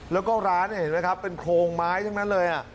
แล้วก็ร้านเห็นไหมครับเป็นโครงไม้ทั้งนั้นเลย